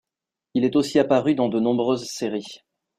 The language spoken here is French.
Il est aussi apparu dans de nombreuses séries.